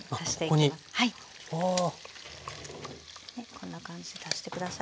こんな感じで足して下さい。